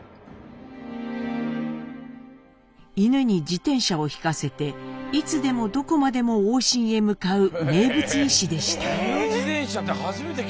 犬に自転車を引かせていつでもどこまでも往診へ向かう名物医師でした。